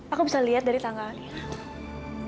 aku bisa lihat dari tanggal ini